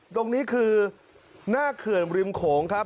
ตรงนี้คือหน้าเขื่อนริมโขงครับ